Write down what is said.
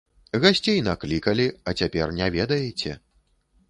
Гасцей наклікалі, а цяпер не ведаеце.